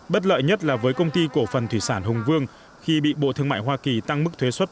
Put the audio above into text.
bất lợi nhất là với công ty cổ phần thủy sản hùng vương khi bị bộ thương mại hoa kỳ tăng mức thuế xuất